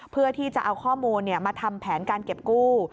เพื่อที่จะเอาข้อมูลมาทำแผนการเก็บกู้